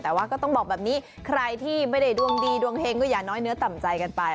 แต่ว่าก็ต้องบอกแบบนี้ใครที่ไม่ได้ดวงดีดวงเฮงก็อย่าน้อยเนื้อต่ำใจกันไป